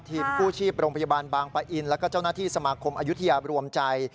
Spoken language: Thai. กู้ชีพโรงพยาบาลบางปะอินแล้วก็เจ้าหน้าที่สมาคมอายุทยารวมใจ